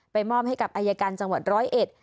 มอบให้กับอายการจังหวัดร้อยเอ็ด